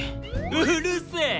うるせえ！